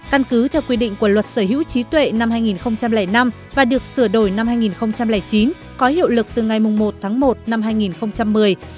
căn cứ theo quy định của luật sở hữu trí tuệ năm hai nghìn năm và được sửa đổi năm hai nghìn chín có hiệu lực từ ngày một tháng một năm hai nghìn một mươi